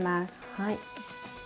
はい。